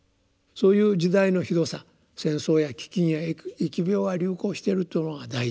そういう時代のひどさ戦争や飢饉や疫病が流行してるっていうのが第一。